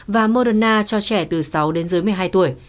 và moderna cho trẻ từ sáu đến dưới một mươi hai tuổi